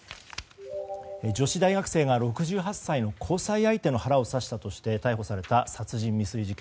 女子大学生が６８歳の交際相手の腹を刺したとして逮捕された殺人未遂事件。